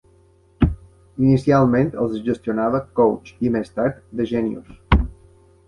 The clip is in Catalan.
Inicialment els gestionava Coach, i més tard The Genius.